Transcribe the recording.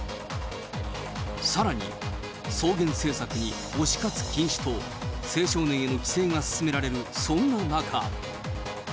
さらに双減政策に推し活禁止と、青少年への規制が進められる、そんな中。